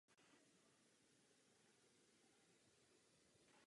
Výtah s Maxem se uvolní a spadne.